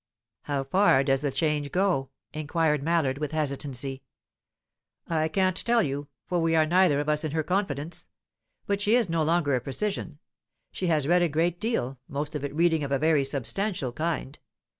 "How far does the change go?" inquired Mallard, with hesitancy. "I can't tell you, for we are neither of us in her confidence. But she is no longer a precisian. She has read a great deal; most of it reading of a very substantial kind.